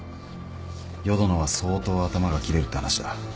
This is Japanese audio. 淀野は相当頭がキレるって話だ。